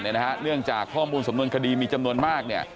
เนื่องจากข้อมูลสำนวนคดีมีจำนวนมาก